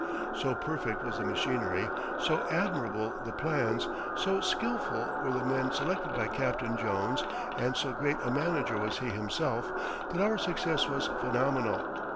So perfect was the machinery, so admirable the plans, so skillful were the men selected by Captain Jones, and so great a manager was he himself, that our success was phenomenal.